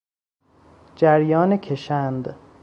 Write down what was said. جریان کشند